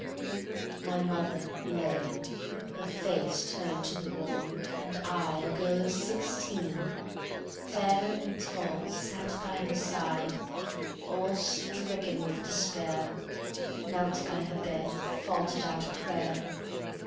... My mother lay, her face turned to the wall, And I, a girl of sixteen, fair and tall, Sat by her side, all stricken with despair, Knelt by her bed and faltered out a prayer.